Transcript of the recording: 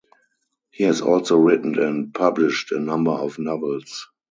He has also written and published a number of novels.